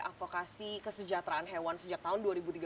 advokasi kesejahteraan hewan sejak tahun dua ribu tiga belas